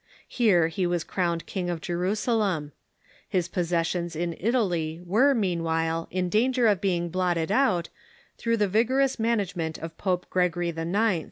Here he was crowned King of Jerusalem. His possessions in Italy were, meanwhile, in danger of being blotted out, through the vigorous manage ment of Poi^e Gregory IX.